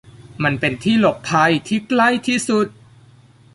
มันเป็นที่หลบภัยที่ใกล้ที่สุด